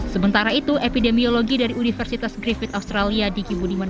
sementara itu epidemiologi dari universitas griffith australia diki budiman